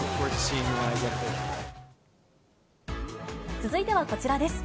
続いてはこちらです。